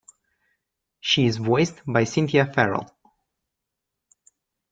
She is voiced by Cynthia Farrell.